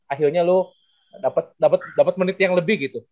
akhirnya lo dapet menit yang lebih gitu